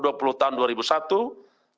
tentang pemberantasan tindak benar korupsi